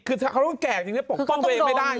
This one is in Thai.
คือถ้าเขารุนแกเนี่ยปกตัวเองสู้ไม่ได้